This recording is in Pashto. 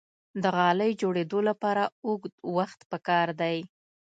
د غالۍ جوړیدو لپاره اوږد وخت پکار دی.